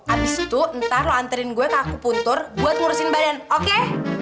abis itu ntar lo anterin gue ke akupuntur buat ngurusin badan oke